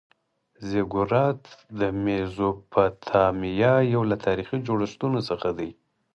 زیګورات د میزوپتامیا یو له تاریخي جوړښتونو څخه دی.